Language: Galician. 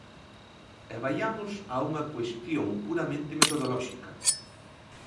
E vaiamos a unha cuestión puramente metodolóxica.